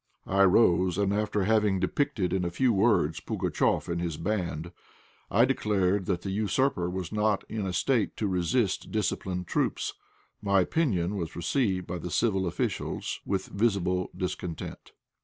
I rose, and after having depicted in a few words Pugatchéf and his band, I declared that the usurper was not in a state to resist disciplined troops. My opinion was received by the civil officials with visible discontent.